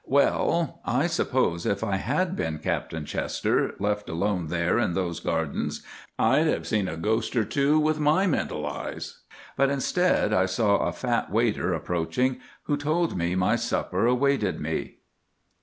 Well! I suppose if I had been Captain Chester, left alone there in those gardens, I'd have seen a ghost or two with my mental eyes; but, instead, I saw a fat waiter approaching, who told me my supper awaited me.